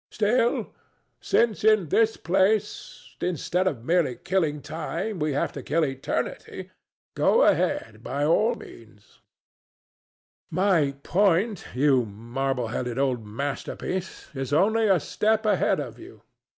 Still, since in this place, instead of merely killing time we have to kill eternity, go ahead by all means. DON JUAN. [somewhat impatiently] My point, you marbleheaded old masterpiece, is only a step ahead of you.